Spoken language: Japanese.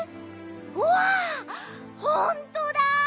うわっほんとだ！